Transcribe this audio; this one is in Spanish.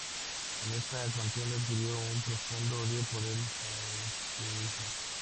En esta contienda adquirió un profundo odio por el fascismo.